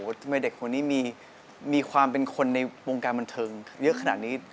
ทำไมเด็กคนนี้มีความเป็นคนในวงการบันเทิงเยอะขนาดนี้